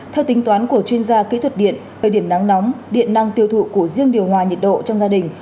theo tính toán của chuyên gia kỹ thuật điện thời điểm nắng nóng điện năng tiêu thụ của riêng điều hòa nhiệt độ trong gia đình